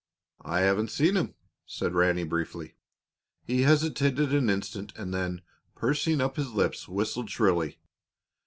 "I haven't seen him," said Ranny, briefly. He hesitated an instant and then, pursing up his lips, whistled shrilly.